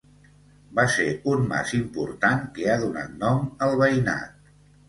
Va ser un mas important que ha donat nom al veïnat.